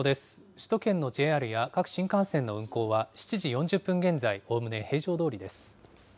首都圏のＪＲや各新幹線の運行は、７時４０分現在、おおむね平常どおりです。